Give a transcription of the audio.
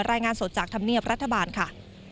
รายงานสดจากธรรมเนียบรัฐบาลค่ะ